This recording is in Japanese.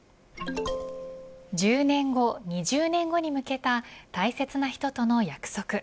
１０年後、２０年後に向けた大切な人との約束。